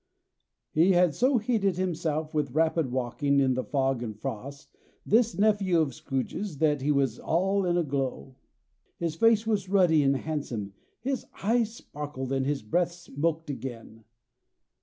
He had so heated himself with rapid walking in the fog and frost, this nephew of Scrooge's, that he was all in a glow; his face was ruddy and handsome; his eyes sparkled, and his breath smoked again.